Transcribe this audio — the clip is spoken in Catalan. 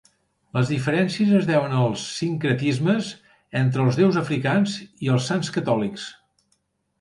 Les diferències es deuen als sincretismes entre els déus africans i els sants catòlics.